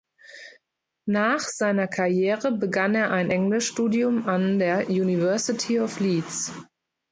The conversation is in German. Nach seiner Karriere begann er ein Englischstudium an der University of Leeds.